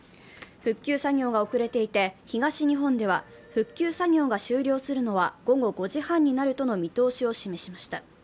復旧作業が遅れていて、東日本では復旧作業が終了するのは午後５時半になるとの見通しを示しました。